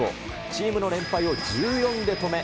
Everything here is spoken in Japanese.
チームの連敗を１４で止め、